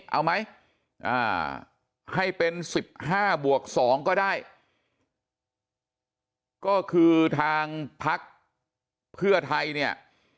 เอาไหมให้เป็น๑๕บวก๒ก็ได้ก็คือทางพักเพื่อไทยเนี่ย